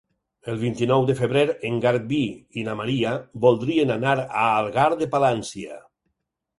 El vint-i-nou de febrer en Garbí i na Maria voldrien anar a Algar de Palància.